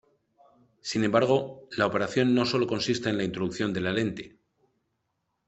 Sin embargo, la operación no sólo consiste en la introducción de la lente.